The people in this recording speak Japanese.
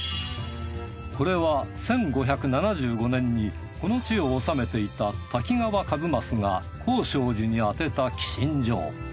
これは１５７５年にこの地を治めていた滝川一益が興正寺に宛てた寄進状。